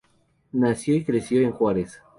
Nació y creció en Ciudad Juárez.